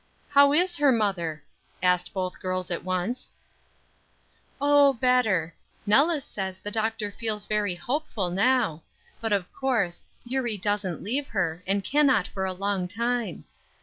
"How is her mother?" asked both girls at once. "Oh, better; Nellis says the doctor feels very hopeful, now; but of course, Eurie doesn't leave her, and cannot for a long time.